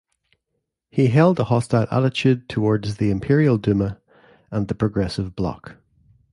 He held a hostile attitude towards the Imperial Duma and the Progressive Bloc.